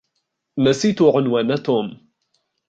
نسيت عنوان توم.